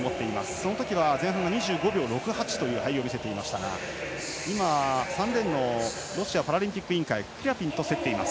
このときは前半２６秒８１という入りを見せましたが３レーンのロシアパラリンピック委員会のクリャビンと競っています。